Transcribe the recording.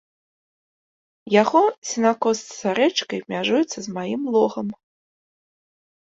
Яго сенакос за рэчкай мяжуецца з маім логам.